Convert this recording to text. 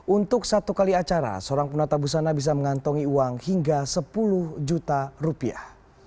untuk satu kali acara seorang penata busana bisa mengantongi uang hingga sepuluh juta rupiah